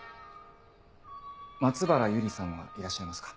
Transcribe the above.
松原百合さんはいらっしゃいますか？